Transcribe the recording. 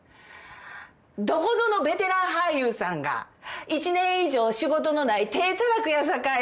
どこぞのベテラン俳優さんが１年以上仕事のない体たらくやさかい。